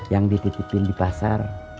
yang dititipin di pasar